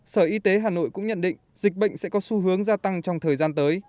sở y tế hà nội cũng nhận định dịch bệnh sẽ có xu hướng gia tăng trong thời gian tới